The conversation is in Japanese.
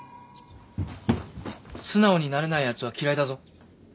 素直になれないやつは嫌いだぞ。